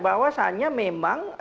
bahwa saatnya memang